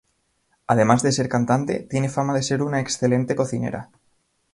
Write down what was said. Además de ser cantante, tiene fama de ser una excelente cocinera.